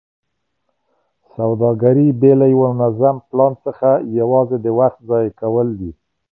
سوداګري بې له یوه منظم پلان څخه یوازې د وخت ضایع کول دي.